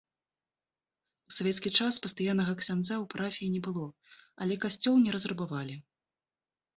У савецкі час пастаяннага ксяндза ў парафіі не было, але касцёл не разрабавалі.